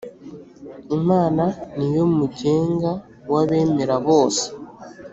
imana niyomugenga wabemera bose.